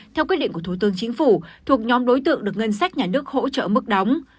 theo quyết định của thủ tướng chính phủ thuộc nhóm đối tượng được ngân sách nhà nước hỗ trợ mức đóng